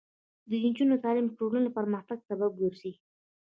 د نجونو تعلیم د ټولنې پرمختګ سبب ګرځي.